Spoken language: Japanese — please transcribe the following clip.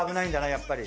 やっぱり。